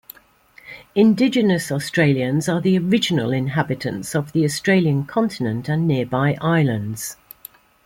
Indigenous Australians are the original inhabitants of the Australian continent and nearby islands.